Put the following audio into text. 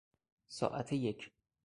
ساعت یک